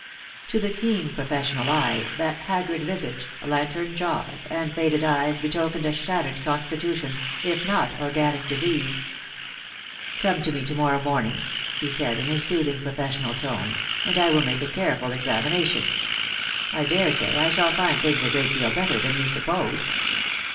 To the keen professional eye that haggard visage, lantern jaws, and faded eyes betokened a shattered constitution, if not organic disease. " Come to me to morrow morning," he said, in his soothing frofessional tone, " and I will make a careful examination, daresay I shall find things a great deal better than you suppose."